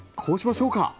こうしましょうか。